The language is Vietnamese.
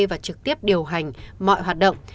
và trực tiếp điều hành mọi hoạt động